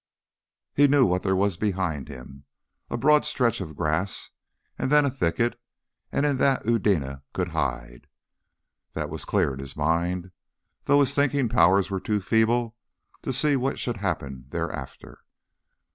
He knew what there was behind him. A broad stretch of grass, and then a thicket, and in that Eudena could hide. That was clear in his mind, though his thinking powers were too feeble to see what should happen thereafter.